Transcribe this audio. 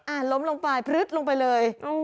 ล้มลงไปพลึดลงไปเลย